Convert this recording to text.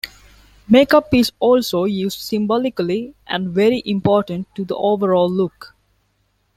Makeup is also used symbolically and very important to the overall look.